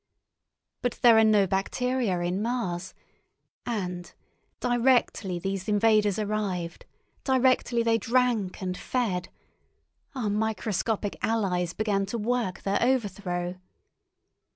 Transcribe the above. But there are no bacteria in Mars, and directly these invaders arrived, directly they drank and fed, our microscopic allies began to work their overthrow.